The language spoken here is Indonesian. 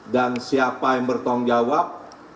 dan siapa yang bertanggung jawab